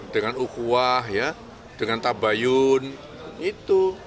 dengan ukuah ya dengan tabayun itu